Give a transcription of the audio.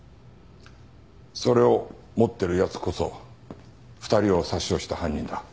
それを持ってる奴こそ２人を殺傷した犯人だ。